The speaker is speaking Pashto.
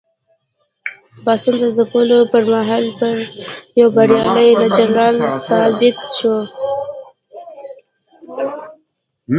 پاڅون د ځپلو پر مهال یو بریالی جنرال ثابت شو.